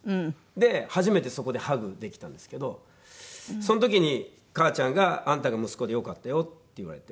で初めてそこでハグできたんですけどその時に母ちゃんが「あんたが息子でよかったよ」って言われて。